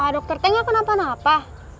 dokter tengah kenapa napa